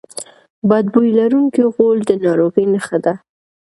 بد بوی لرونکی غول د ناروغۍ نښه ده.